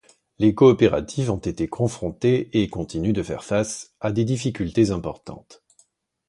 Les coopératives ont été confrontées et continuent de faire face à des difficultés importantes.